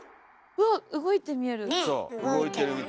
うわっ動いて見える。ね！